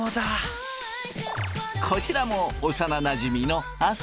こちらも幼なじみの亜生。